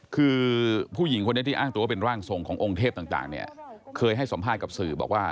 คือผู้หญิงคนนี้ที่อ้างตัวว่าเป็นร่างทรงขององค์เทพต่างเนี่ยเคยให้สัมภาษณ์กับสื่อบอกว่า